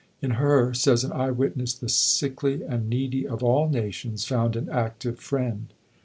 In her, says an eye witness, the sickly and needy of all nations found an active friend.